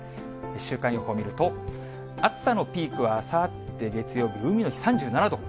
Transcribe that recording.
週間予報を見ると、暑さのピークはあさって月曜日海の日、３７度。